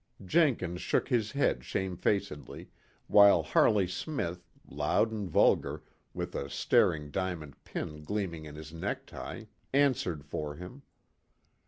Jenkins shook his head shamefacedly, while Harley Smith, loud and vulgar, with a staring diamond pin gleaming in his necktie, answered for him.